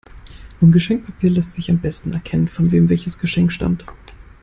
Am Geschenkpapier lässt sich am besten erkennen, von wem welches Geschenk stammt.